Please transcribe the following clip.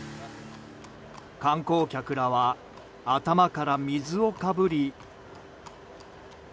観光客らは頭から水をかぶり。